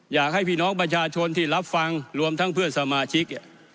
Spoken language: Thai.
อยากให้พี่น้องประชาชนที่รับฟังรวมทั้งเพื่อนสมาชิก